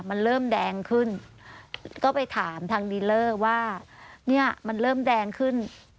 มันเริ่มแดงขึ้นก็ไปถามทางดีเลอร์ว่าเนี่ยมันเริ่มแดงขึ้น